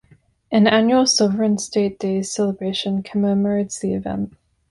An annual Sovereign State Days celebration commemorates the event.